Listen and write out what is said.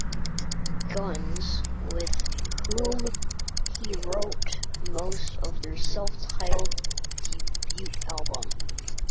Guns, with whom he wrote most of their self-titled debut album.